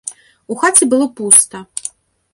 У хаце было пуста.